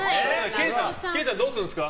研さん、どうするんですか？